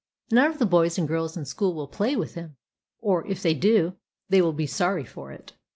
None of the boys and girls in school will play with him; or, if they do, they will be sorry for it.